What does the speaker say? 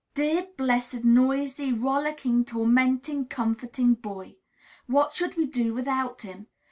Dear, blessed, noisy, rollicking, tormenting, comforting Boy! What should we do without him?